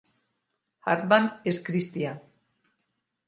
Hartman és cristià.